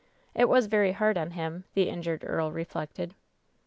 It wto very hard on him, the injured earl refliBcted.